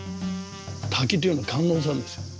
滝というのは観音さんですよ。